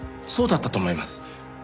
そうだったと思います。